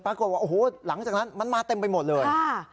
ปรากฏว่าโอ้โหหลังจากนั้นมันมาเต็มไปหมดเลย